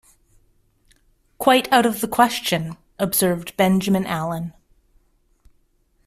‘Quite out of the question,’ observed Benjamin Allen.